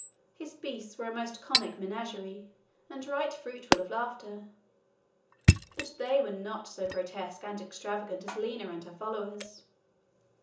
His beasts were a most comic menagerie, and right fruitful of laughter. But they were not so grotesque and extravagant as Lina and her followers.